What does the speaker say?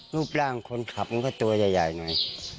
รูปร่างคนขับมันก็ตัวใหญ่หน่อย